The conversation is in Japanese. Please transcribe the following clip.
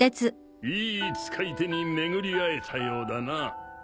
いい使い手に巡り合えたようだな。